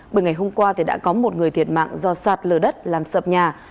bởi ngày hôm qua thì đã có một người thiệt mạng do sạt lở đất làm sập nhà